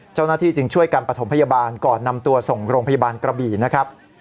เจ้าหน้าที่จึงช่วยกันประถมพยาบาลก่อนนำตัวส่งโรงพยาบาลกระบี่นะครับ